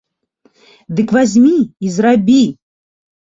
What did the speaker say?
Дык вазьмі і зрабі!